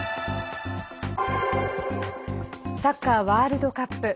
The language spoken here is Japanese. サッカーワールドカップ。